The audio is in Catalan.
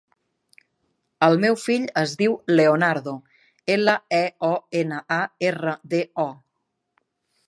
El meu fill es diu Leonardo: ela, e, o, ena, a, erra, de, o.